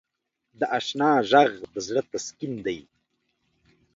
د اشنا ږغ د زړه تسکین دی.